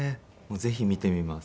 ぜひ見てみます。